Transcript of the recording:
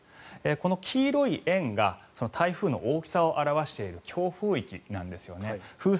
この黄色い円が台風の大きさを表している強風域なんですよね。